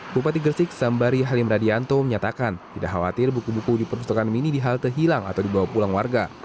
bupati gresik sambari halim radianto menyatakan tidak khawatir buku buku di perpustakaan mini di halte hilang atau dibawa pulang warga